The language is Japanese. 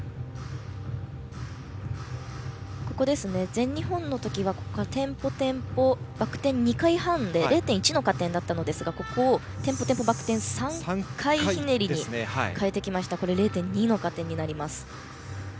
全日本の時はテンポ、テンポバク転２回半で０．１の加点だったんですがここを、テンポ、テンポバク転３回ひねりに変えてきましたのでこれで０．２の加点になります。